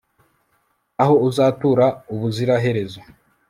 aho uzatura ubuzira herezo